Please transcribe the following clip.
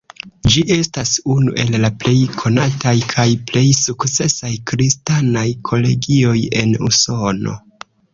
Ĝi estas unu el la plej konataj kaj plej sukcesaj kristanaj kolegioj en Usono.